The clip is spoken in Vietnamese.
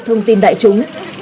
thông tin đại chúng